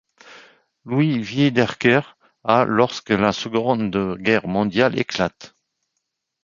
Louis Wiederkehr a lorsque la Seconde Guerre mondiale éclate.